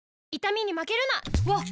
わっ！